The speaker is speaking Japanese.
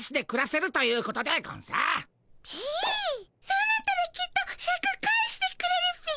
そうなったらきっとシャク返してくれるっピ。